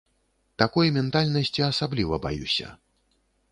Такой ментальнасці асабліва баюся.